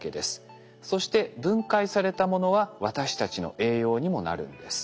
そして分解されたものは私たちの栄養にもなるんです。